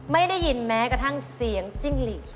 ไม่ได้ยินแม้กระทั่งเสียงจิ้งหลีก